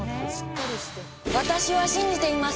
私は信じています。